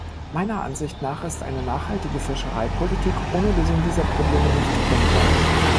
Meiner Ansicht nach ist eine nachhaltige Fischereipolitik ohne Lösung dieser Probleme nicht denkbar.